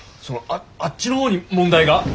そのああっちの方に問題が？